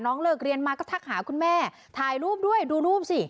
เลิกเรียนมาก็ทักหาคุณแม่ถ่ายรูปด้วยดูรูปสิ